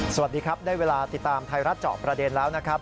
สวัสดีครับได้เวลาติดตามไทยรัฐเจาะประเด็นแล้วนะครับ